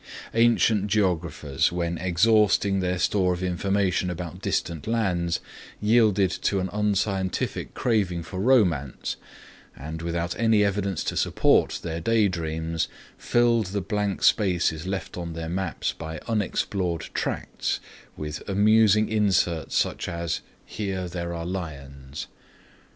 Ancient geographers, when exhausting their store of information about distant lands, yielded to an unscientific craving for romance and, without any evidence to support their day dreams, filled the blank spaces left on their maps by unexplored tracts with amusing inserts such as "Here there are lions."